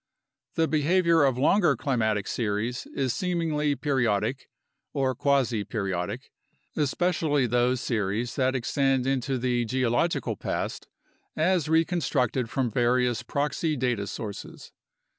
The behavior of longer climatic series is seemingly periodic, or quasi periodic, especially those series that extend into the geological past as reconstructed from various proxy data sources.